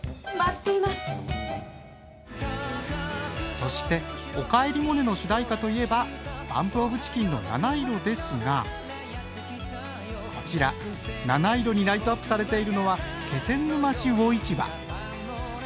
そして「おかえりモネ」の主題歌といえばＢＵＭＰＯＦＣＨＩＣＫＥＮの「なないろ」ですがこちら七色にライトアップされているのは気仙沼市魚市場。